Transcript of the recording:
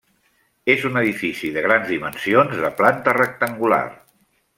És un edifici de grans dimensions de planta rectangular.